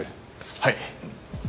はい。